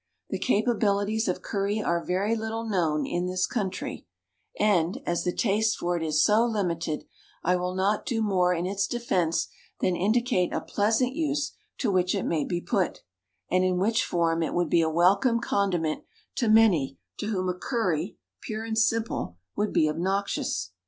The capabilities of curry are very little known in this country, and, as the taste for it is so limited, I will not do more in its defense than indicate a pleasant use to which it may be put, and in which form it would be a welcome condiment to many to whom "a curry," pure and simple, would be obnoxious.